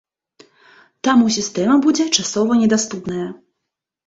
Таму сістэма будзе часова недаступная.